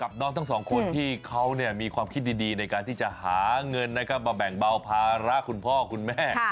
น้องทั้งสองคนที่เขามีความคิดดีในการที่จะหาเงินนะครับมาแบ่งเบาภาระคุณพ่อคุณแม่